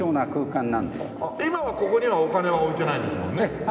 今はここにはお金は置いてないんですもんね。